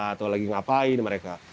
atau lagi ngapain mereka